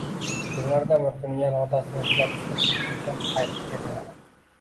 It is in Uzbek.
Kunlardan bir kuni yana otasini izlab chiqib ketgancha qaytib kelmaydi...